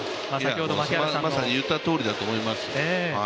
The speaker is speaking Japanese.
まさに言ったとおりだと思います。